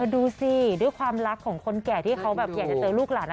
ดูสิด้วยความรักของคนแก่ที่เขาแบบอยากจะเจอลูกหลาน